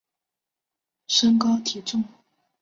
身高体重非常的接近